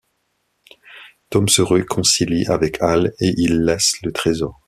Tom se réconcilie avec Alle et ils laissent le trésor.